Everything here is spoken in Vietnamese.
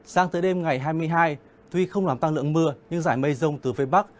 sang tới đêm ngày hai mươi hai tuy không làm tăng lượng mưa nhưng giải mây rông từ phía bắc